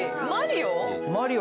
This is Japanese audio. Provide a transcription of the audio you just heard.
マリオ？